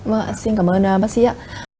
vâng ạ xin cảm ơn bác sĩ ạ